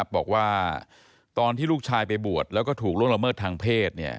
บอกว่าตอนที่ลูกชายไปบวชแล้วก็ถูกล่วงละเมิดทางเพศ